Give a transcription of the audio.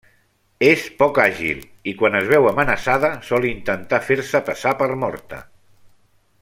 És poc àgil, i quan es veu amenaçada sol intentar fer-se passar per morta.